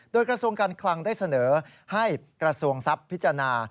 โดยกระทรวงการคลังได้เสนอให้กระทรวงทรัพย์พิจารณา